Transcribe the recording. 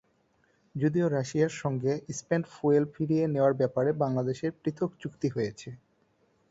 যদিও রাশিয়ার সঙ্গে স্পেন্ট ফুয়েল ফিরিয়ে নেওয়ার ব্যাপারে বাংলাদেশের পৃথক চুক্তি হয়েছে।